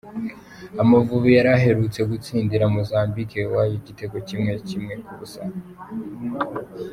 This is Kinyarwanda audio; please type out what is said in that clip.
Amavubi yari aherutse gutsindira Mozambique iwayo igitego kimwe kimwe ku busa.